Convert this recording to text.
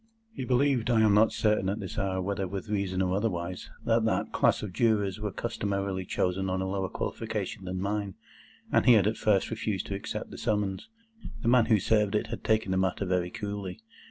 He believed—I am not certain at this hour whether with reason or otherwise—that that class of Jurors were customarily chosen on a lower qualification than mine, and he had at first refused to accept the summons. The man who served it had taken the matter very coolly.